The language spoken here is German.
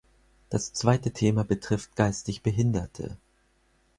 Das zweite Thema betrifft geistig Behinderte.